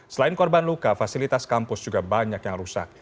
selain korban luka fasilitas kampus juga banyak yang rusak